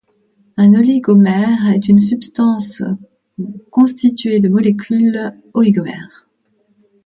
Un oligomère est une substance constituée de molécules oligomères.